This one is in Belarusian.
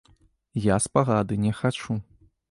Я спагады не хачу.